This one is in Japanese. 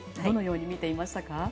どのように見ていましたか？